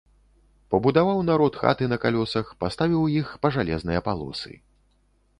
Пабудаваў народ хаты на калёсах, паставіў іх па жалезныя палосы.